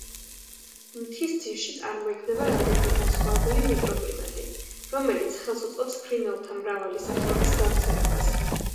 მთის ძირში, წარმოიქმნება რამდენიმე განსხვავებული მიკროკლიმატი, რომელიც ხელს უწყობს ფრინველთა მრავალი სახეობის გავრცელებას.